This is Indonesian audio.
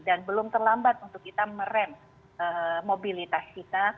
dan belum terlambat untuk kita meremp mobilitas kita